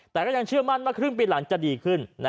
แต่ก็ยังเชื่อมั่นว่าครึ่งปีหลังจะดีขึ้น